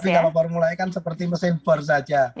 tetapi kalau formulanya kan seperti mesin bor saja